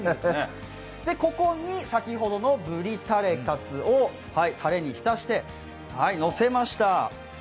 ここに先ほどのブリたれカツをたれに浸してのせました。